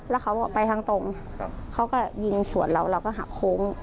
แล้วเขาบอกไปทางตรงเขาก็ยิงสวนเราเราก็หักโค้ง